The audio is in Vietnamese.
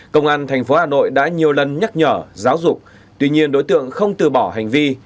công an thành phố hà nội đã nhiều lần nhắc nhở giáo dục tuy nhiên đối tượng không từ bỏ hành vi